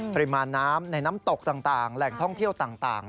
ปริมาณน้ำในน้ำตกต่างแหล่งท่องเที่ยวต่าง